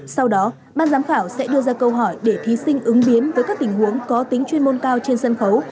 sau đó ban giám khảo sẽ đưa ra câu hỏi để thí sinh ứng biến với các tình huống có tính chuyên môn cao trên sân khấu